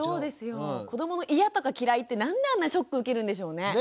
子どもの嫌とか嫌いってなんであんなショック受けるんでしょうね。